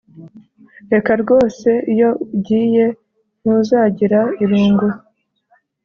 reka rwose iyo ugiye ntuzagira irungu